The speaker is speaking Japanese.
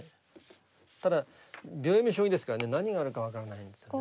ただ秒読み将棋ですからね何があるか分からないんですよね。